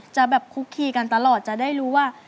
จะแบบคุกคีกันตลอดจะได้รู้ว่า